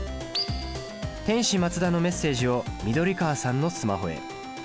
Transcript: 天使マツダのメッセージを緑川さんのスマホへ。